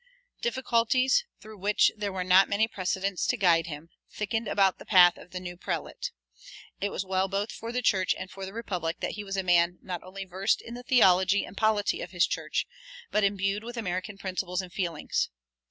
Difficulties, through which there were not many precedents to guide him, thickened about the path of the new prelate. It was well both for the church and for the republic that he was a man not only versed in the theology and polity of his church, but imbued with American principles and feelings.